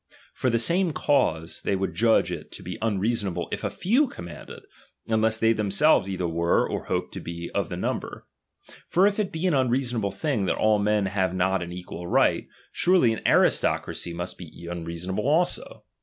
For the same cause, they would judge it to be as unrea sonable if a few commanded, unless they them selves either were, or hoped to be of the number. For if it be an unreasonable thing that all men have not an equal right, surely an aristocracy must be unreasonable also.